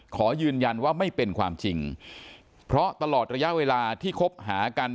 ขอยืนยันว่าไม่เป็นความจริงเพราะตลอดระยะเวลาที่คบหากัน